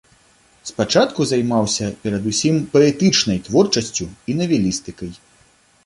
Спачатку займаўся перадусім паэтычнай творчасцю і навелістыкай.